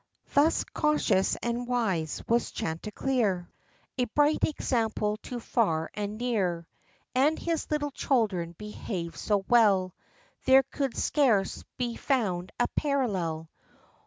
Thus cautious and wise was Chanticleer — A bright example to far and near; And his little children behaved so well, There could scarce be found a parallel.